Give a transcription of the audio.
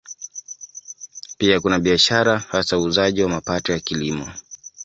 Pia kuna biashara, hasa uuzaji wa mapato ya Kilimo.